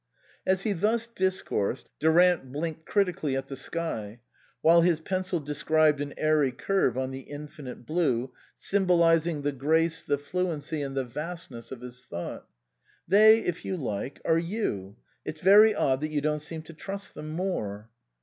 As he thus discoursed, Durant blinked critically at the sky, while his pencil described an airy curve on the infinite blue, symbolising the grace, the fluency, and the vastness of his thought. " They, if you like, are you. It's very odd that you don't seem to trust them more."